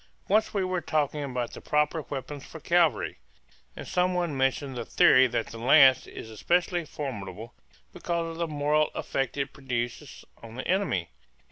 Once we were talking about the proper weapons for cavalry, and some one mentioned the theory that the lance is especially formidable because of the moral effect it produces on the enemy.